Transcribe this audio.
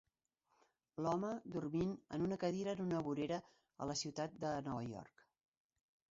L'home dormint en una cadira en una vorera a la ciutat de Nova York.